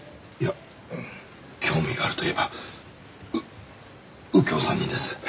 いや興味があるといえばう右京さんにです。